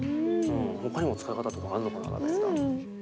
ほかにも使い方とかあるのかな？